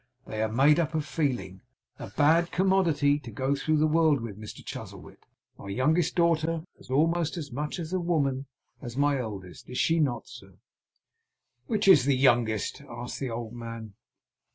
They are made up of feeling. A bad commodity to go through the world with, Mr Chuzzlewit! My youngest daughter is almost as much of a woman as my eldest, is she not, sir?' 'Which IS the youngest?' asked the old man.